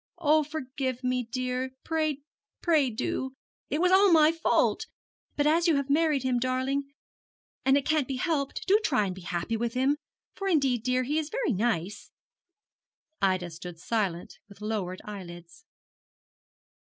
'Oh, forgive me, dear pray, pray do. It was all my fault. But as you have married him, darling, and it can't be helped, do try and be happy with him, for indeed, dear, he is very nice.' Ida stood silent, with lowered eyelids.